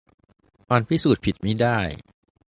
อันพิสูจน์ผิดมิได้